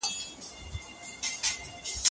د کوټنو کاڼي په ما راټولوينه